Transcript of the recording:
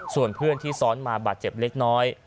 ส่วนเพื่อนที่ซ้อนมาบาดเจ็บเล็กน้อย